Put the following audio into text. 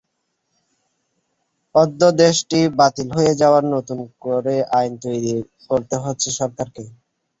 অধ্যাদেশটি বাতিল হয়ে যাওয়ায় নতুন করে আইন তৈরি করতে হচ্ছে সরকারকে।